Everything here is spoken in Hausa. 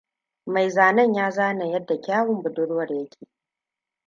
Mai zanen ya zana yadda kyawun budurwar yake.